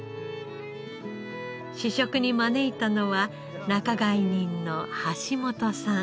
試食に招いたのは仲買人の橋本さん。